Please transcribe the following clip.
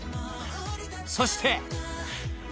［そして］